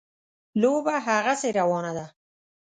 لوبه هغسې روانه ده.